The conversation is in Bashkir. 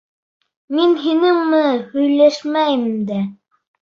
Мин һинең менән һөйләшмәйем дә!